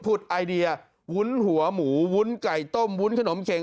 ไอเยาวุ้นหัวหมูวุ้นไก่ต้มวุ้นขนมเข็ง